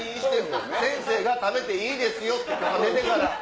先生が食べていいですよって許可出てから。